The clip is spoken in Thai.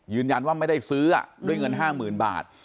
ยืนยันว่าไม่ได้ซื้อด้วยเงิน๕๐๐๐บาท